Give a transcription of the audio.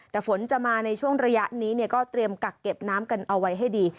แต่ฝนจะมาในช่วงระยะนี้ก็เตรียมกักเก็บน้ำกันเอาไว้ให้ดี